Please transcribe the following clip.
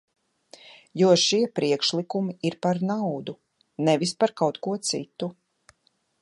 Jo šie priekšlikumi ir par naudu, nevis par kaut ko citu.